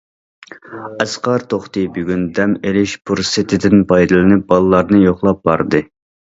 ئەسقەر توختى بۈگۈن دەم ئېلىش پۇرسىتىدىن پايدىلىنىپ بالىلارنى يوقلاپ باردى.